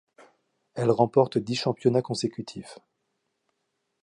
Elles remportent dix championnats consécutifs.